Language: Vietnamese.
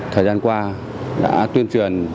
thời gian qua đã tuyên truyền